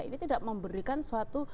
ini tidak memberikan suatu